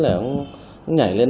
ông nhảy lên